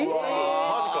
マジか。